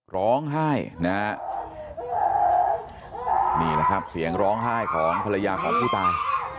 ร้องไห้นะฮะนี่นะครับเสียงร้องไห้ของภรรยาของผู้ตาย